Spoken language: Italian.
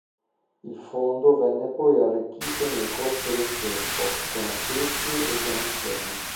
Il fondo, venne poi arricchito, nel corso del tempo, con acquisti e donazioni.